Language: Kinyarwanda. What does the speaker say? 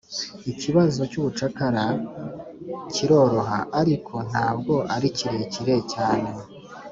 ikibazo cy'ubucakara kiroroha, ariko ntabwo ari kirekire cyane